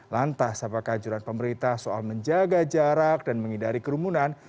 lantas apakah anjuran pemerintah soal menjaga jarak dan menghindari kerumunan